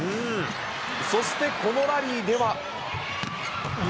そしてこのラリーでは。